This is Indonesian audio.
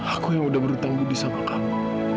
aku yang udah berhutang budi sama kamu